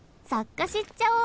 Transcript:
がしっちゃおう！